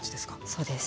そうです。